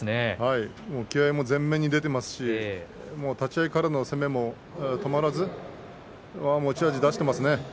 気合いも前面に出ていますし立ち合いからの攻めも止まらず持ち味を出していますね。